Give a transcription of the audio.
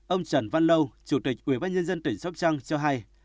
ông trần văn lâu chủ tịch ubnd tỉnh sóc trăng cho hay